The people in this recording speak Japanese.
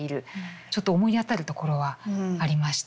ちょっと思い当たるところはありました。